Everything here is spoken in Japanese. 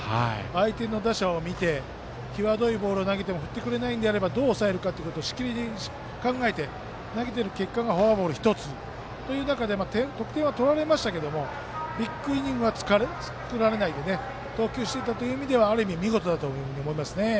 相手の打者を見て際どいボールを投げても振ってくれないのであればどう投げるかというのをしきりに考えて投げた結果がフォアボール１つという中で得点は取られましたけどビッグイニングは作られないで投球していったという意味では見事だと思いますね。